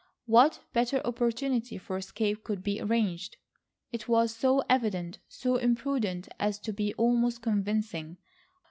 What better opportunity for escape could be arranged? It was so evident, so impudent as to be almost convincing.